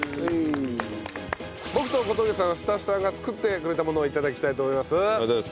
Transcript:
僕と小峠さんはスタッフさんが作ってくれたものを頂きたいと思います。